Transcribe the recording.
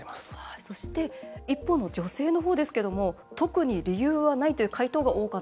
そして一方の女性のほうですが特に理由がないという回答が多かった。